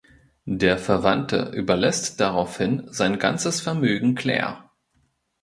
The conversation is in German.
Der Verwandte überlässt daraufhin sein ganzes Vermögen Clare.